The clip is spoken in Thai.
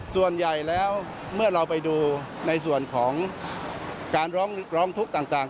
ส่วนใหญ่แล้วเมื่อเราไปดูในส่วนของการร้องทุกข์ต่าง